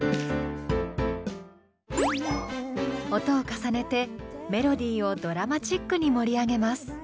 音を重ねてメロディーをドラマチックに盛り上げます。